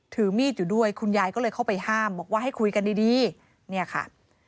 ถือมีดอยู่ด้วยคุณยายก็เลยเข้าไปห้ามบอกว่าให้คุยกันดีดีเนี่ยค่ะ